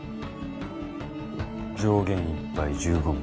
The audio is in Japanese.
上限いっぱい１５枚。